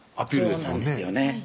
そうなんですよね